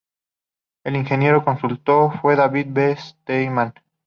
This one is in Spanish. El ingeniero consultor fue David B. Steinman.